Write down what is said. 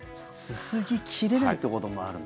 すすぎ切れないってこともあるの？